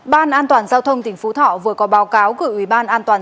ban an toàn giao thông tỉnh phú thọ vừa có báo cáo của uban